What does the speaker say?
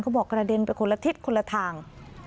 บอกกระเด็นไปคนละทิศคนละทาง